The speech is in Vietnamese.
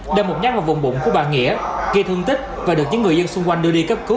đâm một nhát vào vùng bụng của bà nghĩa gây thương tích và được những người dân xung quanh đưa đi cấp cứu